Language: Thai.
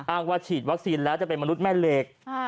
ว่าฉีดวัคซีนแล้วจะเป็นมนุษย์แม่เหล็ก